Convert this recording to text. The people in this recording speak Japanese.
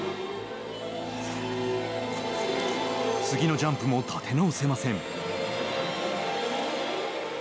次のジャンプも立て直せません。